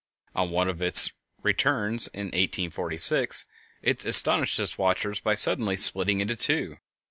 On one of its returns, in 1846, it astonished its watchers by suddenly splitting in two.